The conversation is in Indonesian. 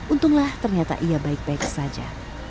untunglah ternyata ia baik baik saja